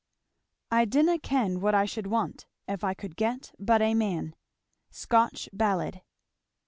I dinna ken what I should want If I could get but a man. Scotch Ballad.